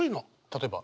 例えば？